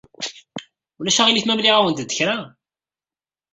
Ulac aɣilif ma mliɣ-awent-d kra?